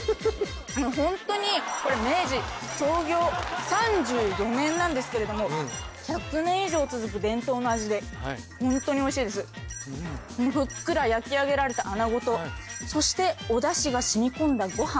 あのホントに明治創業３４年なんですけれども１００年以上続く伝統の味でホントにおいしいですこのふっくら焼き上げられたあなごとそしておだしが染み込んだご飯